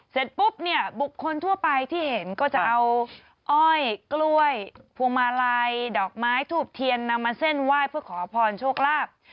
เสร็จปุ๊บเนี่ยบุคคลทั่วไปที่เห็นก็จะเอาอ้อยกล้วยพวงมาลัยดอกไม้ทูบเทียนนำมาเส้นไหว้เพื่อขอพรโชคลาภ